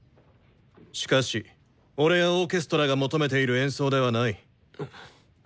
しかし俺やオーケストラが求めている演奏ではない。